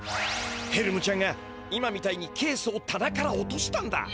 ヘルムちゃんが今みたいにケースをたなから落としたんだ。